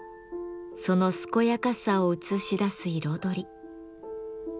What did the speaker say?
その健やかさをうつしだす彩り。